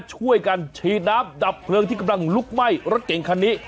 ช่วยกันฉีดน้ำดับเพลิงที่กำลังลุกไหม้รถเก่งคันนี้